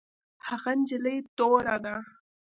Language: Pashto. هغه نجلۍ توره ده